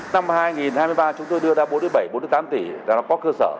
năm hai nghìn hai mươi ba chúng tôi đưa ra bốn bảy bốn mươi tám tỷ là nó có cơ sở